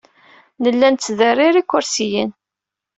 Nella nettderrir ikersiyen.